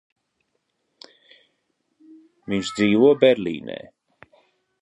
Viņš dzīvo Berlīnē.